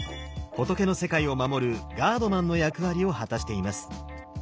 仏の世界を守るガードマンの役割を果たしています。